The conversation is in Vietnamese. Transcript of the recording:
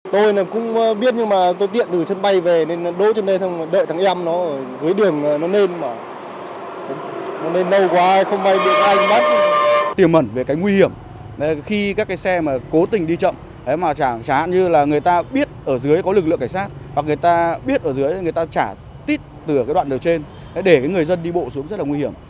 tìm mẩn về cái nguy hiểm khi các cái xe mà cố tình đi chậm chẳng như là người ta biết ở dưới có lực lượng cảnh sát hoặc người ta biết ở dưới người ta trả tít từ cái đoạn đường trên để người dân đi bộ xuống rất là nguy hiểm